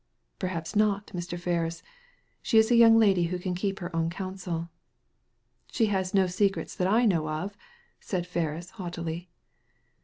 "Perhaps not, Mr. Ferris. She is a young lady who can keep her own counsel." " She has no secrets that I know of," said Ferris, haughtily.